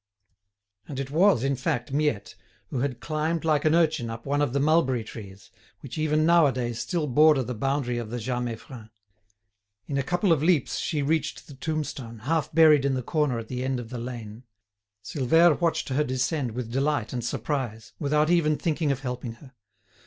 And it was, in fact, Miette, who had climbed like an urchin up one of the mulberry trees, which even nowadays still border the boundary of the Jas Meiffren. In a couple of leaps she reached the tombstone, half buried in the corner at the end of the lane. Silvère watched her descend with delight and surprise, without even thinking of helping her.